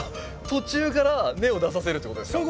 途中から根を出させるって事ですか。